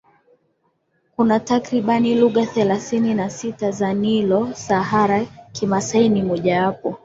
Kuna takriban lugha thelathini na sita za Nilo Sahara Kimasai ni moja wapo